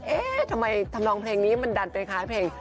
เอ๊ะทำไมทำนองเพลงนี้มันดันไปคล้ายเพลง